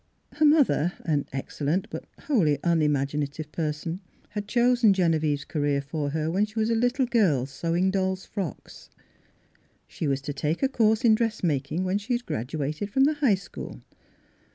Her mother, an excellent but wholly un imaginative person, had chosen Genevieve's career for her when she was a little girl, Miss Fhilura^s Wedding Go usn , sewing dolls' frocks. She was to take a course in dress making when she had graduated from the high school.